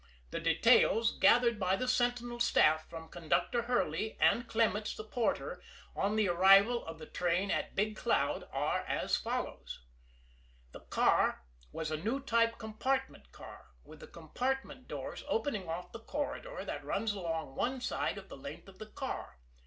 The details, gathered by the Sentinel staff from Conductor Hurley, and Clements, the porter, on the arrival of the train at Big Cloud, are as follows: The car was a new type compartment car, with the compartment doors opening off the corridor that runs along one side of the length of the car.